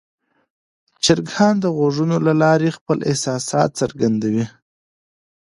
چرګان د غږونو له لارې خپل احساسات څرګندوي.